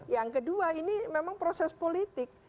yang kedua ini memang proses politik